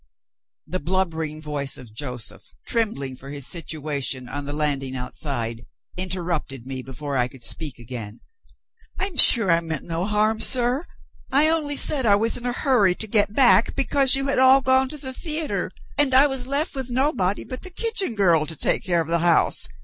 The blubbering voice of Joseph, trembling for his situation, on the landing outside, interrupted me before I could speak again. "I'm sure I meant no harm, sir. I only said I was in a hurry to get back, because you had all gone to the theater, and I was left (with nobody but the kitchen girl) to take care of the house.